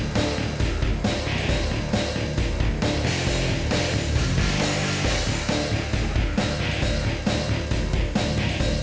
gue gak ada urusan sama lo